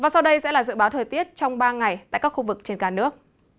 sau đây sẽ là dự báo thời tiết trong ba ngày tại các khu vực trên cả nước